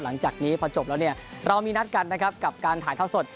หลังจากนี้พอจบแล้วเนี่ยเรามีนัดกันนะครับกับการถ่ายเท่าสด